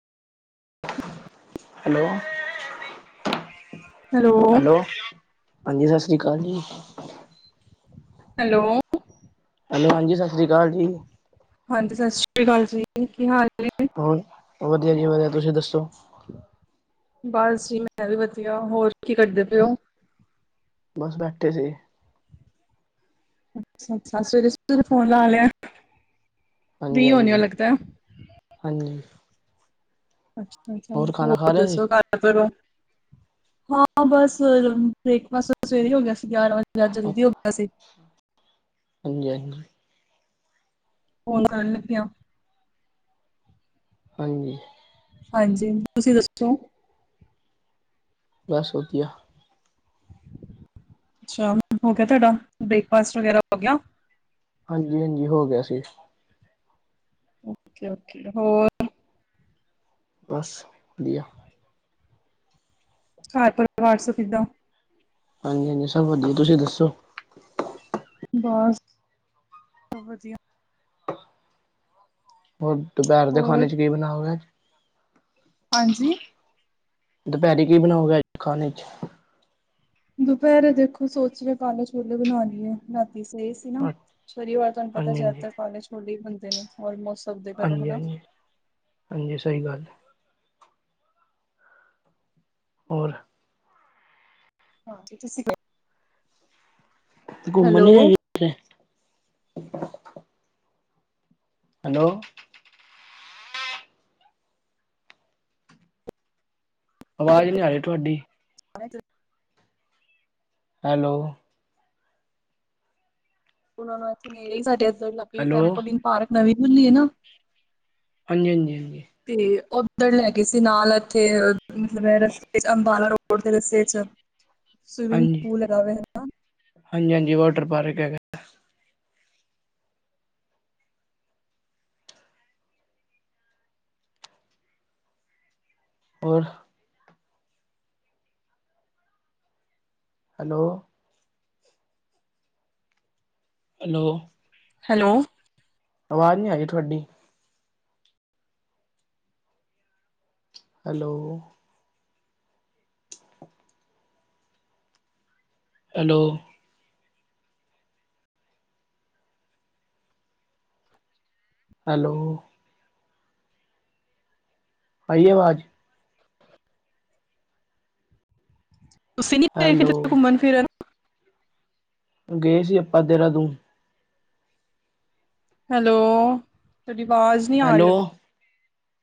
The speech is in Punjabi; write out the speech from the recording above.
ਹੈਲੋ ਹੈਲੋ ਹਾਂਜੀ ਸਤਿ ਸ੍ਰੀ ਅਕਾਲ ਜੀ ਹੈਲੋ ਹੈਲੋ ਹਾਂਜੀ ਸਤਿ ਸ਼੍ਰੀ ਅਕਾਲ ਜੀ ਹਾਂਜੀ ਸਤਿ ਸ਼੍ਰੀ ਅਕਾਲ ਜੀ ਕੀ ਹਾਲ ਜ ਹੋਰ ਵਧੀਆ ਜੀ ਵਧੀਆ ਤੁਸੀਂ ਦੱਸੋ ਬਸ ਜੀ ਮੈਂ ਵੀ ਵਧੀਆ ਹੋਰ ਕੀ ਕਰਦੇ ਪਏਓ ਬਸ ਬੈਠੇ ਸੀ। ਅੱਛਾ ਅੱਛਾ, ਸਵੇਰੇ ਸੁੱਤੇ ਫੋਨ ਲਾ ਲਿਆ। ਫ੍ਰੀ ਹਾਂਜੀ ਹੋਣੇ ਹਾਂਜੀ, ਹੋ ਲੱਗਦਾ ਹਾਂਜੀ। ਅੱਛਾ ਅੱਛਾ, ਖਾਣਾ ਖਾ ਹੋਰ ਲਿਆ ਜੀ ਦੱਸੋ ਕਰ ਹਾਂ ਬਸ, ਬ੍ਰੇਕਫਾਸਟ ਸਵੇਰੇ ਹੋ ਗਿਆ ਸੀ ਗਿਆਰਾਂ ਵਜੇ ਅੱਜ ਜਲਦੀ ਹੋ ਗਿਆ ਸੀ ਹਾਂਜੀ ਹਾਂਜੀ। ਫੋਨ ਕਰਨ ਲੱਗਿਆ ਹਾਂਜੀ। ਹਾਂਜੀ, ਤੁਸੀਂ ਦੱਸੋ? ਬਸ ਵਧੀਆ। ਅੱਛਾ ਹੋ ਗਿਆ ਤੁਹਾਡਾ, ਬ੍ਰੇਕਫਾਸਟ ਵਗੈਰਾ ਹੋ ਗਿਆ? ਹਾਂਜੀ ਹਾਂਜੀ, ਹੋ ਗਿਆ ਸੀ। ਓਕੇ ਓਕੇ, ਹੋਰ ਬਸ, ਵਧੀਆ। ਕਰ ਪਰਿਵਾਰ ਸ ਕਿੱਦਾਂ? ਹਾਂਜੀ ਹਾਂਜੀ ਸਭ ਵਧੀਆ, ਤੁਸੀਂ ਦੱਸੋ? ਬਸ, ਸਬ ਵਧੀਆ। ਹੋਰ, ਦੁਪਹਿਰ ਦੇ ਹੋਰ ਖਾਣੇ 'ਚ ਕੀ ਬਣਾਓਗੇਂ? ਹਾਂਜੀ? ਦੁਪਹਿਰੀ ਕੀ ਬਣਾਓਗੇ, ਅੱਜ ਖਾਣੇ 'ਚ? ਦੁਪਹਿਰੇ ਦੇਖੋ ਸੋਚ ਰਏ ਆਂ, ਕਾਲੇ ਛੋਲੇ ਬਣਾਉਾਨਣੀ ਹੈ ਰਾਤੀ ਸਹੀ ਨਾ ਹਾਂਜੀ ਸ਼ਨੀਵਾਰ ਤੁਹਾਨੂੰ ਪਤਾ, ਹਾਂਜੀ ਜ਼ਿਆਦਾਤਰ ਕਾਲਜ ਹੋਲੇ ਬੁੰਦੇ ਨੇ ਲਮੋਸਟ ਹਾਂਜੀ ਹਾਂਜੀ, ਹਾਂਜੀ ਸਹੀ ਗੱਲ। ਹੋਰ, ਹਾਂਜੀ ਤੁਸੀਂ ਘੁੰਮਣ ਹੈਲੋ ਨੀ ਗਏ? ਹੈਲੋ, ਆਵਾਜ਼ ਨਹੀਂ ਆ ਰਹੀ ਤੁਹਾਡੀ [unintelligible] ਹੈਲੋ, ਉਹ ਇੱਥੇ ਨੇੜੇ ਹੀ, ਸਾਡੇ ਇੱਧ ਲੱ ਹੈਲੋ ਟੈਂਪਲਿੰਗ ਪਾਰਕ ਨਵੀਂ ਹੁੰਲੀ ਹੈ ਨਾ ਹਾਂਜੀ ਹਾਂਜੀ, ਹਾਂਜੀ। ਤੇ ਉਓਧਰ ਲੈ ਗਏ ਸੀ ਨਾਲ ਇੱਥੇ, ਮਤਲਬ ਰਸਤੇ 'ਚ ਅੰਬਾਲਾ ਰੋਡ ਦੇ ਰਸਤੇ 'ਚ ਸਵਿਮਿੰਗ ਹਾਂਜੀ ਪੂਲ ਲਗਾ ਹੈ, ਹਨਾ। ਹਾਂਜੀ ਹਾਂਜੀ, ਵਾਟਰ ਪਾਰਕ ਹੈਗਾ। ਹੋਰ? Hello, hello. ਹੈਲੋ। ਆਵਾਜ਼ ਨਹੀਂ ਆ ਰਹੀ ਥੁਹਾਡੀ। ਹੈਲੋ। ਹੈਲੋ। ਹੈਲੋ। ਆਈਏ ਆਵਾਜ਼? ਤੁਸੀਂ ਨੀ ਗਏ, ਹੈਲੋ ਕਿਤੇ ਘੁੰਮਣ- ਫਿਰਨ? ਗਏ ਸੀ ਆਪਾਂ ਦੇਰਾਦੂਨ। ਹੈਲੋ ਤੁਹਾਡੀ ਆਵਾਜ਼ ਨੀ ਆ ਰੀ ਲੱਗ ਹੈਲੋ